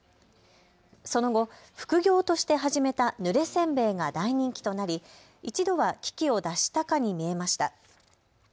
その後、副業として始めたぬれせんべいが大人気となり一度は危機を脱したかに見えました。